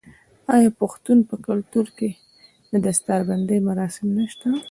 آیا د پښتنو په کلتور کې د دستار بندی مراسم نشته؟